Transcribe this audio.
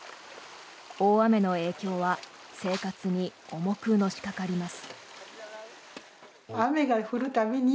大雨の影響は生活に重くのしかかります。